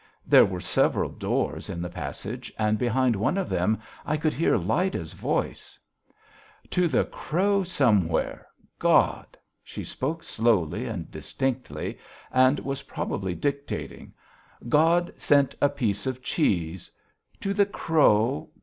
There were several doors in the passage and behind one of them I could hear Lyda's voice: "To the crow somewhere ... God ..." she spoke slowly and distinctly, and was probably dictating "... God sent a piece of cheese.... To the crow